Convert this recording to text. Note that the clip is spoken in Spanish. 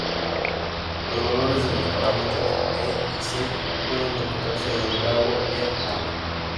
Los valores de los parámetros "E" y "C" pueden encontrarse en Drago "et al.